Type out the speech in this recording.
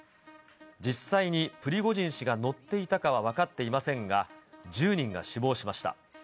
実際にプリゴジン氏が乗っていたかは分かっていませんが、１０人が死亡しました。